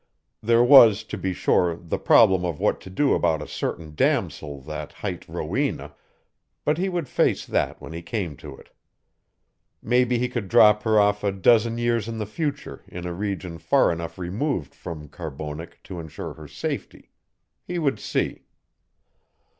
There was, to be sure, the problem of what to do about a certain damosel that hight Rowena, but he would face that when he came to it. Maybe he could drop her off a dozen years in the future in a region far enough removed from Carbonek to ensure her safety. He would see.